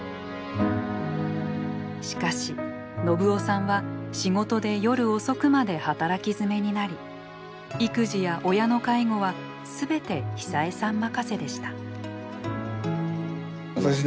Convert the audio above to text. しかし信男さんは仕事で夜遅くまで働きづめになり育児や親の介護は全て久枝さん任せでした。